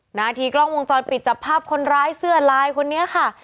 หน้าที่กล้องวงจรปิดจับภาพคนร้ายเสื้อลายคนนี้ค่ะ